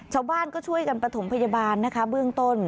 ชาวบ้านก็ช่วยกันประถมพยาบาลนะคะเบื้องต้น